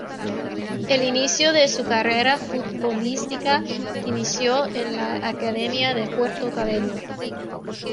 El inicio de su carrera futbolística inicio en la Academia de Puerto Cabello.